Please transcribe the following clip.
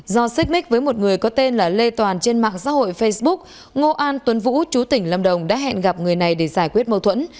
do xích mít với một người có tên là lê toàn trên mạng xã hội facebook ngô an tuấn vũ chú tỉnh lâm đồng đã hẹn gặp người này để giải quyết mâu thuẫn